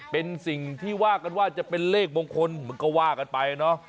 เป็นสิ่งที่ว่ากันว่าจะเป็นเลขมงคลมันก็ว่ากันไปเนอะ